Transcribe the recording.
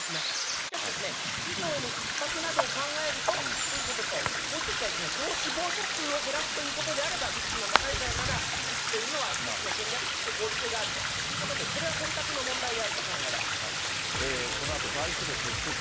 しかし、医療へのひっ迫などを考えるとということと、もう一つは総死亡者数を減らすということであれば、リスクの高い方から打つというのは１つの戦略として合理性があるここで最新のニュースです。